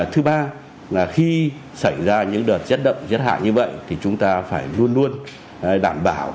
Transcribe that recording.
thứ ba là khi xảy ra những đợt rét đậm rét hại như vậy thì chúng ta phải luôn luôn đảm bảo